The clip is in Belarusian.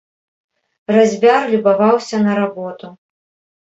Разьбяр любаваўся на работу.